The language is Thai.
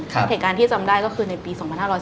เหตุการณ์ที่จำได้ก็คือในปี๒๕๔